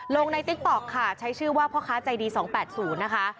ลงในติ๊กต๊อกค่ะใช้ชื่อว่าพ่อค้าใจดี๒๘๐นะคะ